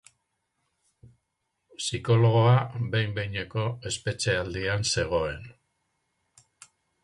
Psikologoa behin-behineko espetxealdian zegoen.